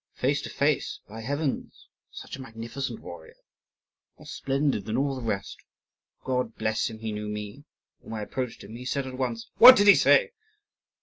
"Face to face, by heavens! such a magnificent warrior! more splendid than all the rest. God bless him, he knew me, and when I approached him he said at once " "What did he say?"